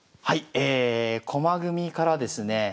はいえ駒組みからですね